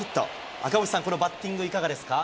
赤星さん、このバッティングいかがですか。